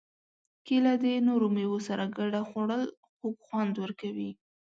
کېله د نورو مېوو سره ګډه خوړل خوږ خوند ورکوي.